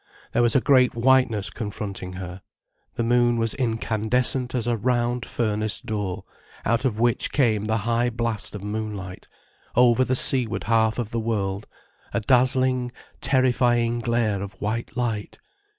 There was a great whiteness confronting her, the moon was incandescent as a round furnace door, out of which came the high blast of moonlight, over the seaward half of the world, a dazzling, terrifying glare of white light.